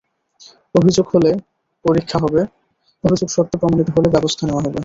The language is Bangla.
অভিযোগ হলে পরীক্ষা হবে, অভিযোগ সত্য প্রমাণিত হলে ব্যবস্থা নেওয়া হবে।